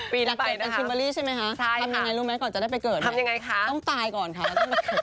ปีนี่ไปนะครับใช่ไหมคะทำอย่างไรลูกมั้ยก่อนจะได้ไปเกิดต้องตายก่อนคะแล้วต้องไปเกิดไหม